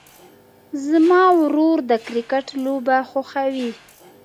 زما ورور د کرکټ لوبه خوښوي.